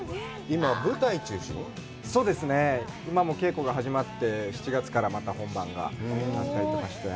今も稽古が始まって、７月からまた本番があったりとかして。